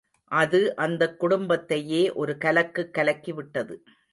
அது அந்தக் குடும்பத்தையே ஒரு கலக்குக் கலக்கிவிட்டது.